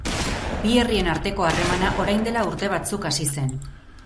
Bi herrien arteko harremana orain dela urte batzuk hasi zen.